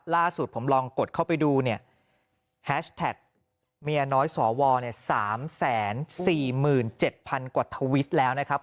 ล่าสุดผมลองกดเข้าไปดูเนี่ยแฮชแท็กเมียน้อยสว๓๔๗๐๐กว่าทวิตแล้วนะครับ